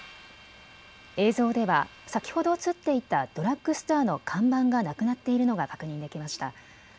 映像では先ほど映っていたドラッグストアの看板がなくなっているのが確認できました。